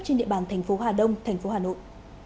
trên địa bàn tp hà đông tp hà nội